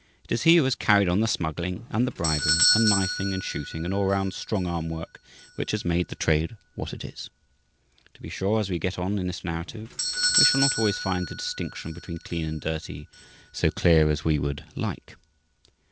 It is he who has carried on the smuggling and the bribing and knifing and shooting and all round, strong arm work which has made the trade what it is. To be sure, as we get on in this narrative we shall not always find the distinction between Clean and Dirty so clear as we would like.